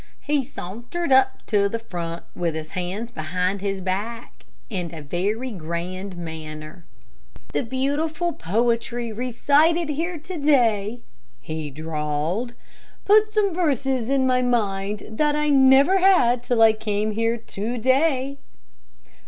He sauntered up to the front, with his hands behind his back, and a very grand manner. "The beautiful poetry recited here to day," he drawled, "put some verses in my mind that I never had till I came here to day."